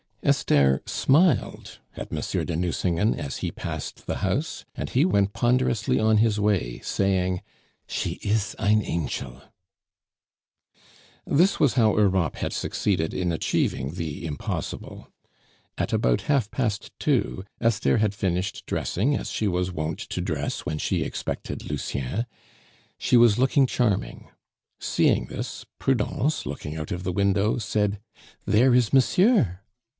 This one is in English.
Esther smiled at Monsieur de Nucingen as he passed the house, and he went ponderously on his way, saying: "She is ein anchel!" This was how Europe had succeeded in achieving the impossible. At about half past two Esther had finished dressing, as she was wont to dress when she expected Lucien; she was looking charming. Seeing this, Prudence, looking out of the window, said, "There is monsieur!"